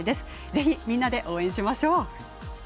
ぜひみんなで応援しましょう。